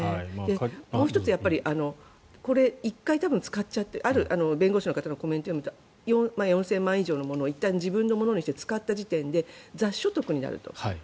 もう１つ、１回使っちゃってある弁護士の方のコメントを読むと４０００万円以上のものをいったん自分のものにして使った時点で雑所得になると。